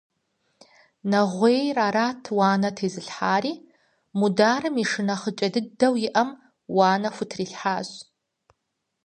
Нэгъуейр арат уанэ тезылъхьэри, Мударым шы нэхъыкӀэ дыдэу иӀэм уанэ хутрилъхьащ.